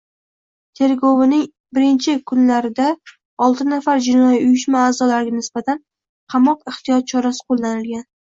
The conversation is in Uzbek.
Tergovining birinchi kunidaoltinafar jinoiy uyushma a’zolariga nisbatan qamoq ehtiyot chorasi qo‘llanilgan